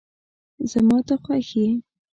زما ته خوښ یی